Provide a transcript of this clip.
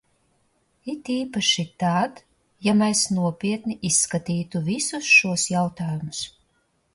It īpaši tad, ja mēs nopietni izskatītu visus šos jautājumus.